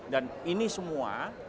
dan ini semua